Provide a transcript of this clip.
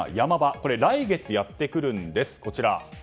これ来月やってくるんです。